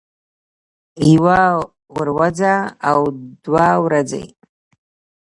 يوه وروځه او دوه ورځې